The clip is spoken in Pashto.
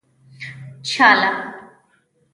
چا له.